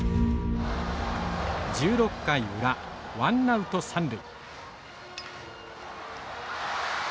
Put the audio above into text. １６回裏ワンナウト三塁。